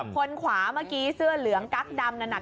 คนขวามักกี้เสื้อเหลืองกักดำนะครับ